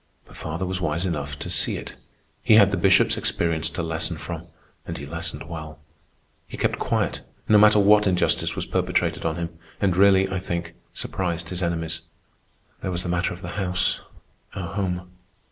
But father was wise enough to see it. He had the Bishop's experience to lesson from, and he lessoned well. He kept quiet no matter what injustice was perpetrated on him, and really, I think, surprised his enemies. There was the matter of the house—our home.